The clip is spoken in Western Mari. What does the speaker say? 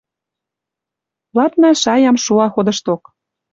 Ладна шаям шуа ходышток.